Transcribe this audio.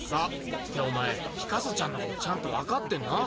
っておまえピカソちゃんのことちゃんとわかってんの？